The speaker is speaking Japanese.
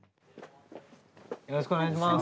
よろしくお願いします。